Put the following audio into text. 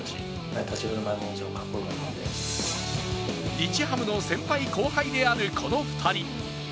日ハムの先輩・後輩であるこの二人。